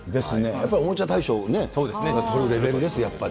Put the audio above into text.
やっぱおもちゃ大賞取るレベルです、やっぱり。